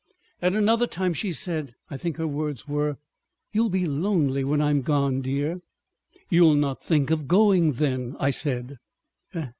At another time she said—I think her words were: "You'll be lonely when I'm gone dear." "You'll not think of going, then," I said.